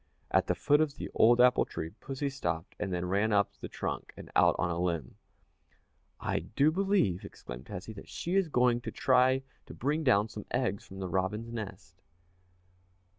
At the foot of the old apple tree pussy stopped and then ran up the trunk and out on a limb. "I do believe," exclaimed Tessie, "that she is going to try to bring down some eggs from the robin's nest."